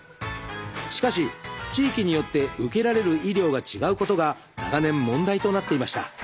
しかし地域によって受けられる医療が違うことが長年問題となっていました。